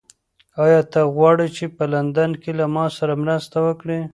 ایا ته غواړې چې په لندن کې له ما سره مرسته وکړې؟